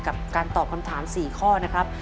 กับการตอบคำถาม๔ข้อนะครับ